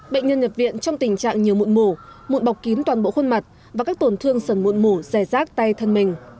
bệnh nhân nhập viện trong tình trạng nhiều mụn mổ mụn bọc kín toàn bộ khuôn mặt và các tổn thương sần mụn mủ rẻ rác tay thân mình